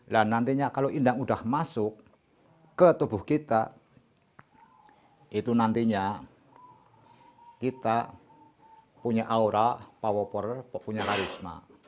nah nantinya kalau indah sudah masuk ke tubuh kita itu nantinya kita punya aura power punya karisma